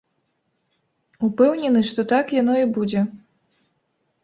Упэўнены, што так яно і будзе.